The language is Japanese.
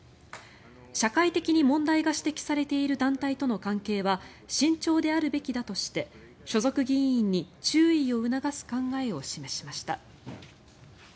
「社会的に問題が指摘されている団体との関係は慎重であるべきだ」として所属議員に注意を促す考えを示しました。